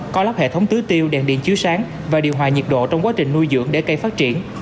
có lắp hệ thống tưới tiêu đèn điện chiếu sáng và điều hòa nhiệt độ trong quá trình nuôi dưỡng để cây phát triển